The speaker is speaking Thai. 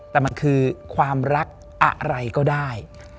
แต่มันคือความรักอะไรก็ได้